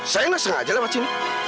saya nggak sengaja lewat sini